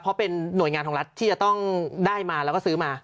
เพราะเป็นหน่วยงานของรัฐที่จะต้องได้มาแล้วก็ซื้อมา